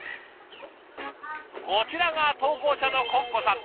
こちらが投稿者のコッコさん。